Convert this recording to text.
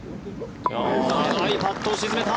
長いパットを沈めた。